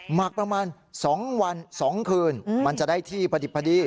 หมักประมาณ๒วัน๒คืนมันจะได้ที่พอดิบพอดี